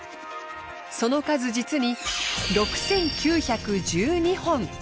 その数実に６，９１２本。